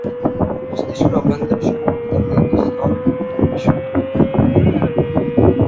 মস্তিষ্কের অভ্যন্তরে সমকামিতার কেন্দ্রস্থল অন্বেষণ করি নাই।